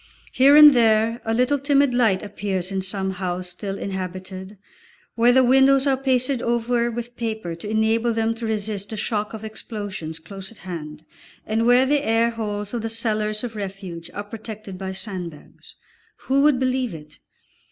Here and there a little timid light appears in some house still inhabited, where the windows are pasted over with paper to enable them to resist the shock of explosions close at hand, and where the air holes of the cellars of refuge are protected by sandbags. Who would believe it?